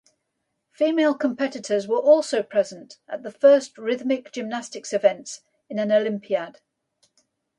Female competitors were also present at the first rhythmic gymnastics events in an Olympiad.